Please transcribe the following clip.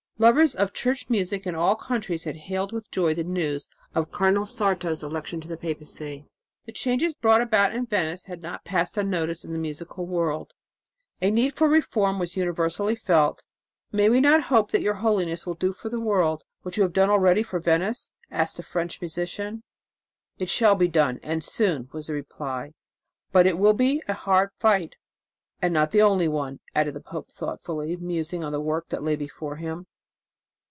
Lovers of church music in all countries had hailed with joy the news of Cardinal Sarto's election to the papacy. The changes brought about in Venice had not passed unnoticed in the musical world; a need for reform was universally felt. "May we not hope that your Holiness will do for the world what you have already done for Venice?" asked a French musician. "It shall be done and soon," was the reply, "but it will be a hard fight. And not the only one," added the pope thoughtfully, musing on the work that lay before him.